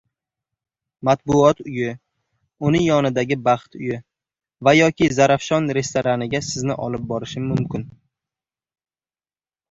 Matbuot uyi, uni yonidagi Baxt uyi va yoki Zarafshon restoraniga sizni olib borishim mumkin.